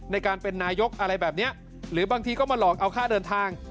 ในการเป็นนายกอะไรแบบนี้หรือบางทีก็มาหลอกเอาค่าเดินทาง